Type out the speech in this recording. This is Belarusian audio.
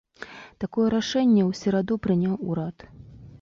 Такое рашэнне ў сераду прыняў урад.